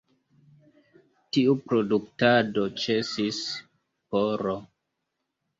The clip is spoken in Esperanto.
Tiu produktado ĉesis pr.